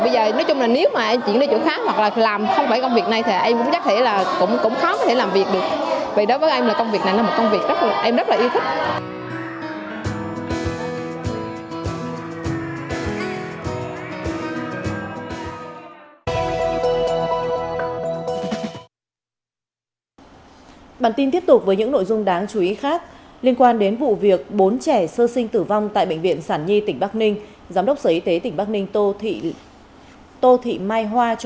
bây giờ nói chung là nếu mà em chuyển đi chỗ khác hoặc là làm không phải công việc này thì em cũng chắc chắn là cũng khó có thể làm việc được